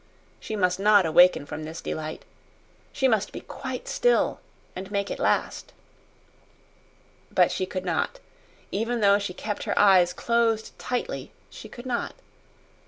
She must not awaken from this delight she must be quite still and make it last. But she could not even though she kept her eyes closed tightly, she could not.